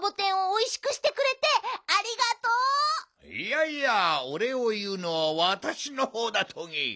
おれいをいうのはわたしのほうだトゲ。